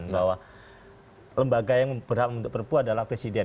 bahwa lembaga yang berhak untuk perpu adalah presiden